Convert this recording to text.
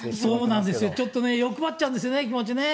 そうなんですよ、ちょっとね、欲張っちゃうんですよね、気持ちね。